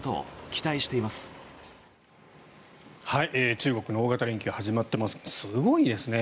中国の大型連休が始まっていますがすごいですね。